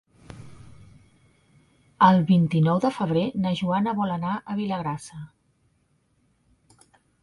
El vint-i-nou de febrer na Joana vol anar a Vilagrassa.